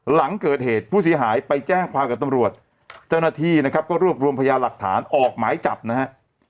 หลังเกิดเหตุผู้เสียหายไปแจ้งความกับตำรวจเจ้าหน้าที่นะครับก็รวบรวมพยาหลักฐานออกหมายจับนะฮะ